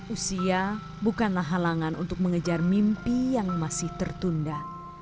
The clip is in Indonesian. usia bukanlah halangan untuk mengejar mimpi yang masih tertunda